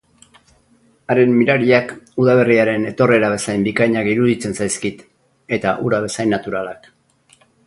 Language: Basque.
Haren mirariak Udaberriaren etorrera bezain bikainak iruditzen zaizkit, eta hura bezain naturalak.